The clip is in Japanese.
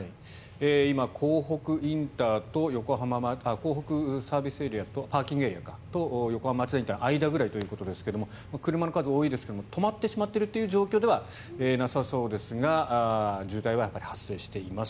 今、港北ＰＡと横浜町田ＩＣの間ぐらいということですが車の数多いですが止まってしまっているという状況ではなさそうですが渋滞はやっぱり発生しています。